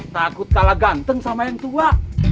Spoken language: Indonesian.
takut kalah ganteng sama yang tua